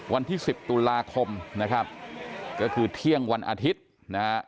วันที่สิบตุลาคมนะครับก็คือเที่ยงวันอาทิตย์นะฮะ